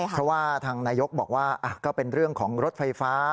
เพราะว่าทางนายกบอกว่าก็เป็นเรื่องของรถไฟฟ้า